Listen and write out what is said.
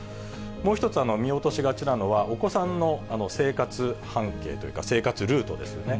もう１つ、見落としがちなのは、お子さんの生活半径というか、生活ルートですよね。